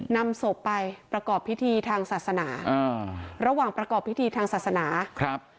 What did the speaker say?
นำศพไปประกอบพิธีทางศาสนาอ่าระหว่างประกอบพิธีทางศาสนาครับ